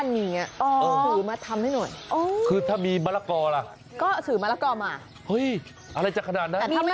เมียหน่อยคุณได้ไหม